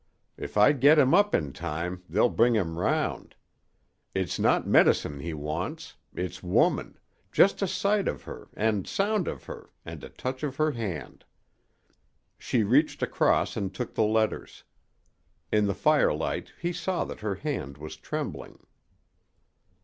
If I get 'em up in time they'll bring him round. It's not medicine he wants. It's woman just a sight of her, and sound of her, and a touch of her hand." She reached across and took the letters. In the firelight he saw that her hand was trembling.